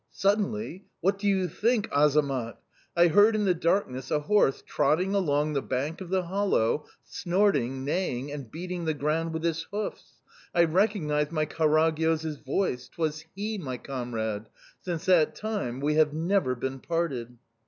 Suddenly what do you think, Azamat? I heard in the darkness a horse trotting along the bank of the hollow, snorting, neighing, and beating the ground with his hoofs. I recognised my Karagyoz's voice; 'twas he, my comrade!"... Since that time we have never been parted!